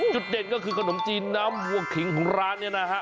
เด่นก็คือขนมจีนน้ำวัวขิงของร้านเนี่ยนะฮะ